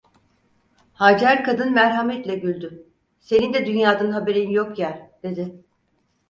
Hacer kadın merhametle güldü: "Senin de dünyadan haberin yok ya" dedi.